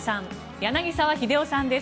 柳澤秀夫さんです。